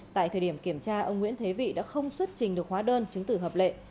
tại thời điểm kiểm tra ông nguyễn thế vị đã không xuất trình được hóa đơn chứng tử hợp lệ